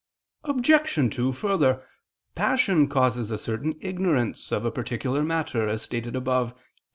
Obj. 2: Further, passion causes a certain ignorance of a particular matter, as stated above (A.